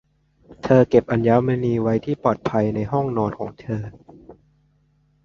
เธอเก็บอัญมณีไว้ที่ปลอดภัยในห้องนอนของเธอ